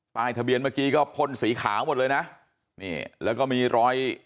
ทะเบียนเมื่อกี้ก็พ่นสีขาวหมดเลยนะนี่แล้วก็มีรอย